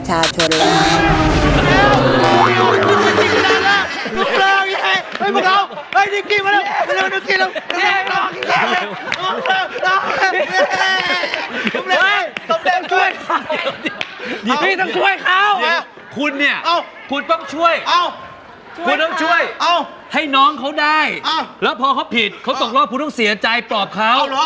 อ้าวคุณต้องช่วยให้น้องเขาได้แล้วพอเขาผิดเขาตกลอบเขาต้องเสียใจปลอบเขา